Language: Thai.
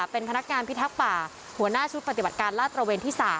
เป็นพนักงานพิทักษ์ป่าหัวหน้าชุดปฏิบัติการลาดตระเวนที่๓